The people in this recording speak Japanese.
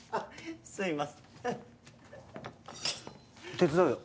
手伝うよ。